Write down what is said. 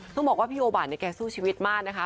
ต้องบอกว่าพี่โอบานเนี่ยแกสู้ชีวิตมากนะคะ